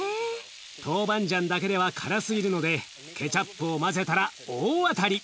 豆板醤だけでは辛すぎるのでケチャップを混ぜたら大当たり！